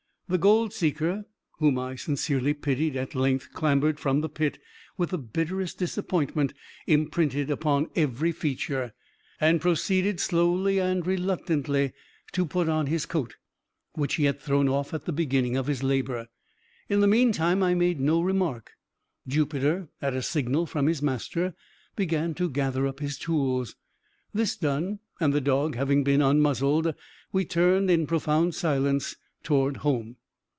The gold seeker, whom I sincerely pitied, at length clambered from the pit, with the bitterest disappointment imprinted upon every feature, and proceeded, slowly and reluctantly, to put on his coat, which he had thrown off at the beginning of his labor. In the meantime I made no remark. Jupiter, at a signal from his master, began to gather up his tools. This done, and the dog having been unmuzzled, we turned in profound silence toward home.